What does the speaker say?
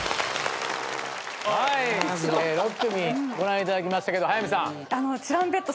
６組ご覧いただきましたけど早見さん。